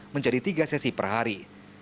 menjadi tiga sesi per hari